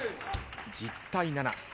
１０対７。